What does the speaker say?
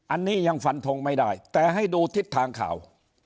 อันนี้ยังฟันทงไม่ได้แต่ให้ดูทิศทางข่าว